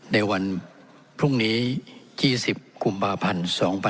ในวันพรุ่งนี้๒๐กุมภาพันธ์๒๕๖๒